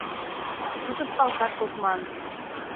Тутыш салтак тодман.